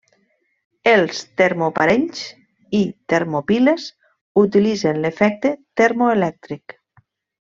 Els termoparells i termopiles utilitzen l'efecte termoelèctric.